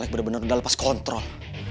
alex bener bener udah lepas kontrol